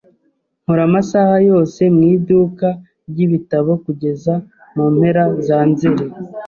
Nkora amasaha yose mu iduka ryibitabo kugeza mu mpera za Nzeri.